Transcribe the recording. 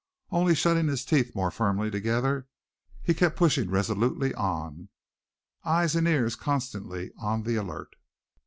Only shutting his teeth more firmly together, he kept pushing resolutely on, eyes and ears constantly on the alert.